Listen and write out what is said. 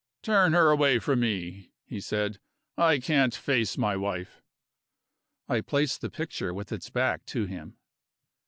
"Turn her away from me," he said; "I can't face my wife." I placed the picture with its back to him.